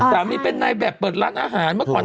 สามีเป็นนายแบบเปิดอาหารเมติกัน